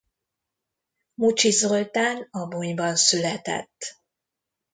Mucsi Zoltán Abonyban született.